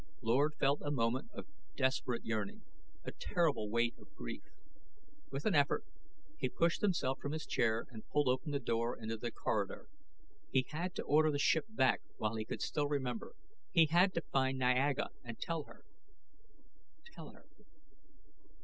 Lord felt a moment of desperate yearning, a terrible weight of grief. With an effort he pushed himself from his chair and pulled open the door into the corridor. He had to order the ship back while he could still remember; he had to find Niaga and tell her ...... tell her.